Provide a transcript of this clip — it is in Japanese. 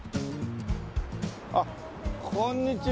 あっこんにちは。